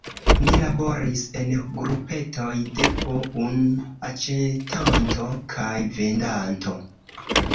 Ni laboris en grupetoj de po unu aĉetanto kaj vendanto.